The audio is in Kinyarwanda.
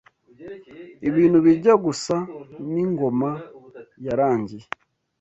ibintu bijya gusa n’ingoma yarangiye